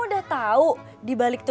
jawab begini dulu